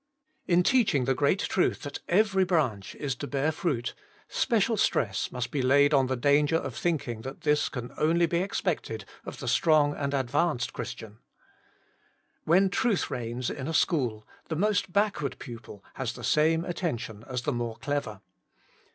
In teaching the great truth that every branch is to bear fruit, special stress must be laid on the danger of thinking that this can only be expected of the strong and advanced Christian. When Truth reigns in a school, the most backward pupil has the same attention as the more clever.